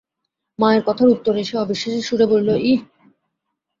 মায়ের কথার উত্তরে সে অবিশ্বাসের সুরে বলিল, ইঃ!